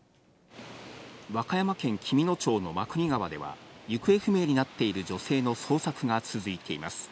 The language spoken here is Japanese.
和歌山県紀美野町の真国川では、行方不明になっている女性の捜索が続いています。